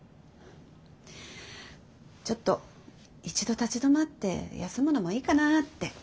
ちょっと一度立ち止まって休むのもいいかなって。